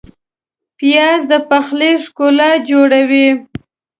پیاز د پخلي ښکلا جوړوي